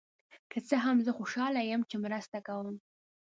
که څه هم، زه خوشحال یم چې مرسته کوم.